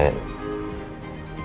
ya memang sih saya